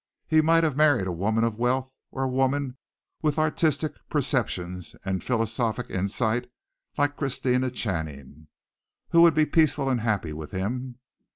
He might have married a woman of wealth or a woman with artistic perceptions and philosophic insight like Christina Channing, who would be peaceful and happy with him.